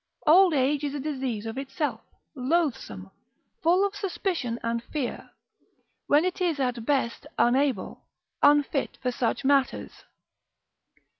old age is a disease of itself, loathsome, full of suspicion and fear; when it is at best, unable, unfit for such matters.